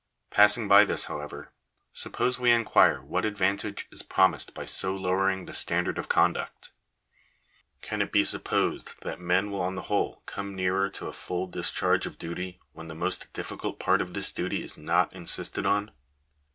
Passing by this, however, suppose we inquire what advantage is promised by so lowering the standard of conduct. Can it be supposed that men will on the whole come nearer to a full dis charge of duty when the most difficult part of this duty is not insisted on